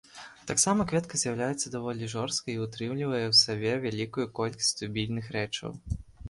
Таксама кветка з'яўляецца даволі жорсткай і ўтрымлівае ў сабе вялікую колькасць дубільных рэчываў.